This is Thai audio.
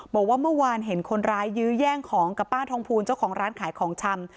บอกว่าเมื่อวานเห็นคนร้ายยื้อแย่งของกับป้าทองภูลเจ้าของร้านขายของชำ